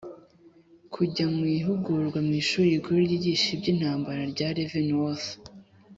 kujya mu ihugurwa mu ishuli rikuru ryigishya iby'intambara rya leavenworth (kansas)